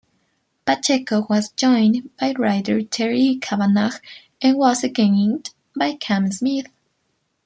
Pacheco was joined by writer Terry Kavanagh and was again inked by Cam Smith.